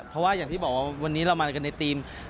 เพราะว่าอย่างที่บอกว่าวันนี้เรามากันในทีม